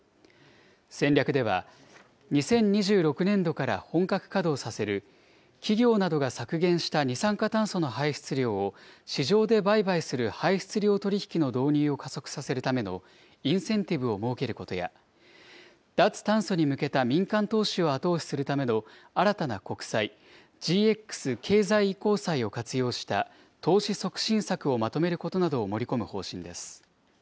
戦略では、２０２６年度から本格稼働させる、企業などが削減した二酸化炭素の排出量を市場で売買する排出量取引の導入を加速させるためのインセンティブを設けることや、脱炭素に向けた民間投資を後押しするための新たな国債、ＧＸ経済移行債を活用した投資促進策をまとめることなどを盛り込む方針です。